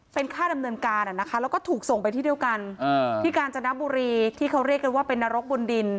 เป็นค่าดำเนินการแล้วก็ถูกส่งไปที่เดียวกันที่กาญจนบุรีที่เขาเรียกกันว่าเป็นนรกบนดิน